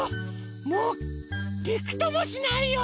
もうびくともしないよ！